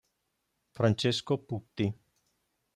Francesco Putti